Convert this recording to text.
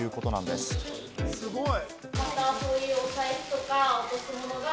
すごい。